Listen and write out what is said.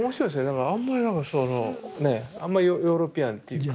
だからあんまりなんかそのねあんまヨーロピアンっていうか。